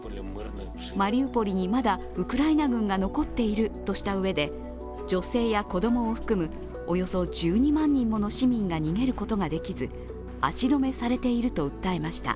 マリウポリに、まだウクライナ軍が残っているとしたうえで、女性や子供を含むおよそ１２万人もの市民が逃げることができず足止めされていると訴えました。